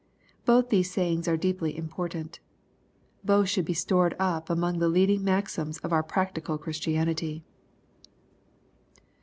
Both these sayings are deeply important. Both should be stored up among the leading maxims of our practical Christianity.